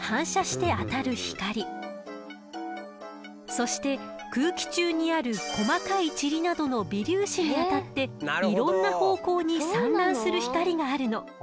そして空気中にある細かいチリなどの微粒子に当たっていろんな方向に散乱する光があるの。